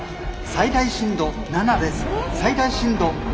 最大震度７です。